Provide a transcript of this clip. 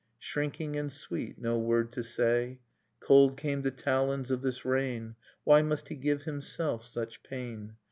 Shrinking and sweet, no word to say ... Cold came the talons of this rain. Why must he give himself such pain?